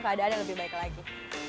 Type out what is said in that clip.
semoga dalam keadaan lebih baik lagi